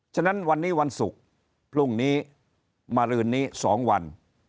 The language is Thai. ฉะนั้นวันนี้วันศุกร์พรุ่งนี้มารืนนี้๒วัน